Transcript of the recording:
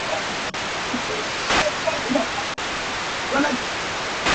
Lampi ah a laam lengmang caah mihrut ah an rel.